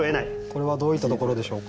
これはどういったところでしょうか。